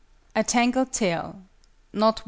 142 A TANGLED TALE. KNOT I.